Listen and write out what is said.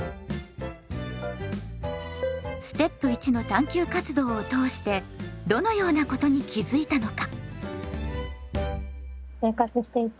ステップ１の探究活動を通してどのようなことに気付いたのか？